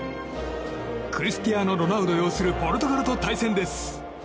クリスティアーノ・ロナウドを擁するポルトガルと対戦です。